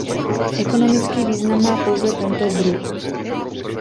Ekonomický význam má pouze tento druh.